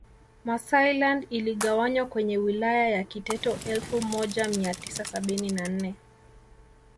Maasai land iligawanywa kwenye Wilaya ya Kiteto elfu moja mia tisa sabini na nne